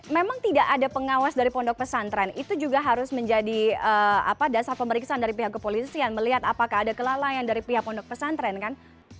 memang tidak ada pengawas dari pondok pesantren itu juga harus menjadi dasar pemeriksaan dari pihak kepolisian melihat apakah ada kelalaian dari pihak pondok pesantren kan